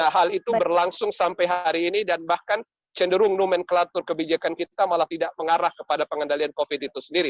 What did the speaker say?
hal itu berlangsung sampai hari ini dan bahkan cenderung nomenklatur kebijakan kita malah tidak mengarah kepada pengendalian covid itu sendiri